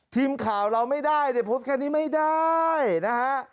ทีมข่าวเราไม่ได้เนี่ยโพสต์แค่นี้ไม่ได้นะฮะ